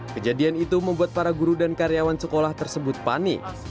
kejadian itu membuat para guru dan karyawan sekolah tersebut panik